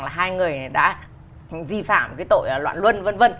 là hai người đã vi phạm cái tội loạn luân v v